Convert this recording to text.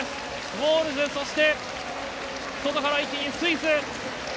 ウォールズ、そして外から一気にスイス。